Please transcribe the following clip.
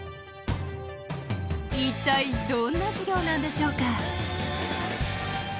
一体どんな授業なんでしょうか。